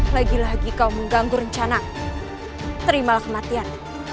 lagi lagi kau mengganggu rencana terimalah kematian